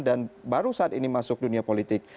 dan baru saat ini masuk dunia politik